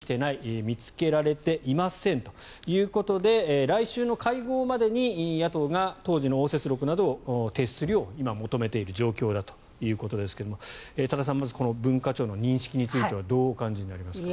あるかどうかまだ確認できていない見つけられていませんということで来週の会合までに野党が当時の応接録などを提出するよう今、求めている状況だということですが多田さん、まずこの文化庁の認識についてはどうお感じになりますか？